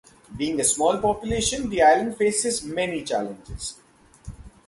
Being a small population, the island faces many challenges.